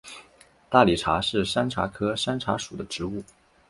大理茶是山茶科山茶属的植物。